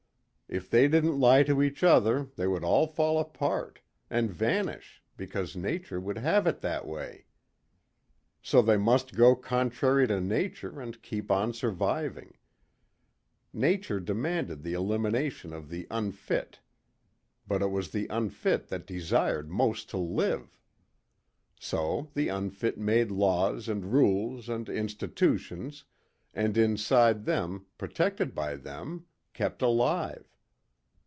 If they didn't lie to each other they would all fall apart and vanish because nature would have it that way. So they must go contrary to nature and keep on surviving. Nature demanded the elimination of the unfit. But it was the unfit that desired most to live. So the unfit made laws and rules and institutions, and inside them, protected by them, kept alive.